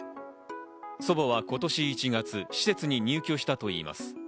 祖母は今年１月、施設に入居したといいます。